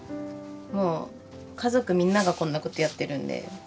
もう家族みんながこんなことやってるんで。